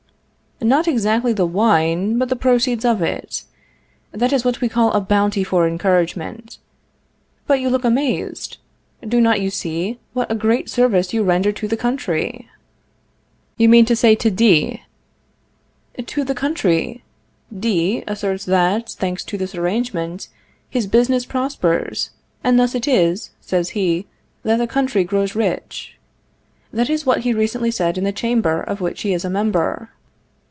Not exactly the wine, but the proceeds of it; That is what we call a bounty for encouragement. But you look amazed! Do not you see what a great service you render to the country? You mean to say to D ? To the country. D asserts that, thanks to this arrangement, his business prospers, and thus it is, says he, that the country grows rich. That is what he recently said in the Chamber of which he is a member.